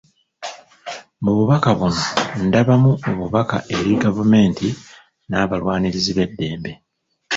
Mu bubaka buno ndabamu obubaka eri Gavumenti n'abalwanirizi b'eddembe